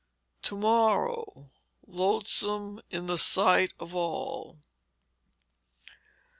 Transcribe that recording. [TO MORROW, LOATHSOME IN THE SIGHT OF ALL.